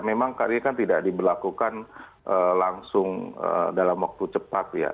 memang kali ini kan tidak diberlakukan langsung dalam waktu cepat ya